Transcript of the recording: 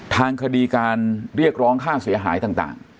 ทางคดีการเรียกร้องค่าเสียหายต่าง